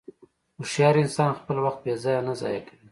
هوښیار انسان خپل وخت بېځایه نه ضایع کوي.